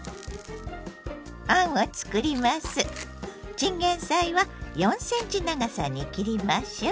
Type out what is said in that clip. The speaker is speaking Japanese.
チンゲンサイは４ｃｍ長さに切りましょう。